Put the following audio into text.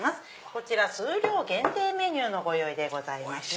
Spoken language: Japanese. こちら数量限定メニューのご用意でございますね。